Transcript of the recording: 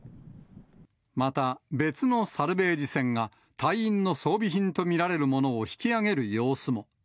また、別のサルベージ船が、隊員の装備品と見られるものを引き揚げる様子も。